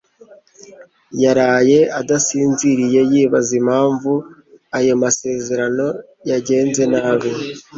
Yaraye adasinziriye yibaza impamvu ayo masezerano yagenze nabi